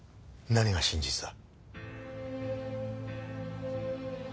何が真実だ？